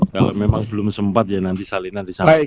kalau memang belum sempat ya nanti salinan disampaikan